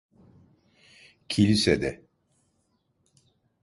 Kilisede…